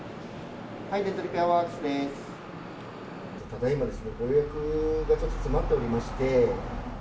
ただいま、ご予約がちょっと詰まっておりまして。